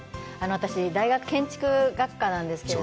私、大学、建築学科なんですけど。